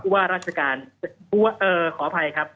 ว่าราชการขออภัยครับ